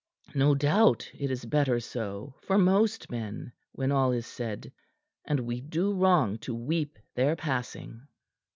No doubt it is better so for most men, when all is said, and we do wrong to weep their passing."